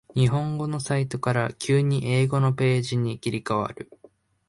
日本語のサイトから急に英語のページに切り替わる